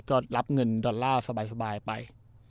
ก็รับเงินดอลลาร์สบายไป